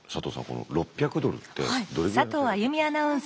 この６００ドルってどれぐらいの生活できたんですか？